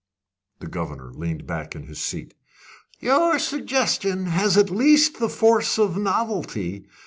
The governor leaned back in his seat. "Your suggestion has at least the force of novelty.